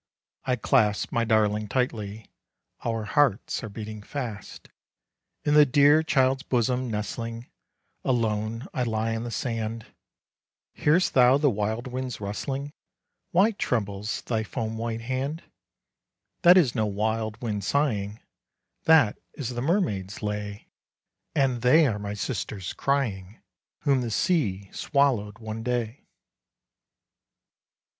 I clasp my darling tightly; Our hearts are beating fast. In the dear child's bosom, nestling, Alone I lie on the sand. "Hear'st thou the wild winds rustling? Why trembles thy foam white hand?" "That is no wild wind sighing, That is the mermaid's lay; And they are my sisters crying, Whom the sea swallowed one day."